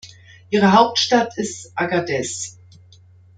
Ihre Hauptstadt ist Agadez.